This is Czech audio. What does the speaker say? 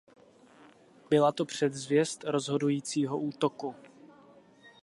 Byla to předzvěst rozhodujícího útoku.